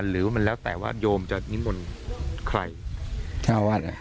หรือมันแล้วแต่ว่าโยมจะนิมนต์ใครเจ้าวาด